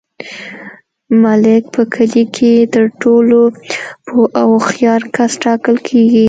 ملک په کلي کي تر ټولو پوه او هوښیار کس ټاکل کیږي.